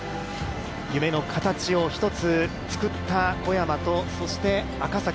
夢の形を１つ作った小山と、そして赤崎。